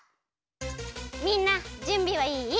みんなじゅんびはいい？